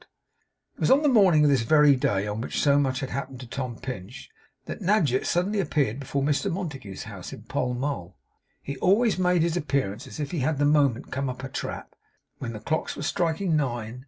It was on the morning of this very day on which so much had happened to Tom Pinch, that Nadgett suddenly appeared before Mr Montague's house in Pall Mall he always made his appearance as if he had that moment come up a trap when the clocks were striking nine.